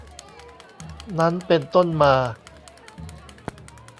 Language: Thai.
นั้นเป็นต้นมา